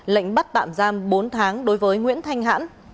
lệnh bắt tạm giam bốn tháng đối với nguyễn thanh hãn